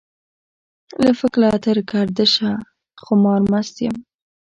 له فکله تر ګردشه خمار مست يم.